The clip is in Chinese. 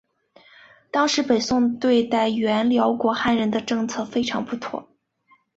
当时北宋对待原辽国汉人的政策非常不妥。